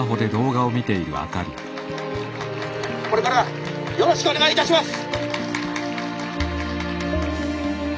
「これからよろしくお願いいたします！」。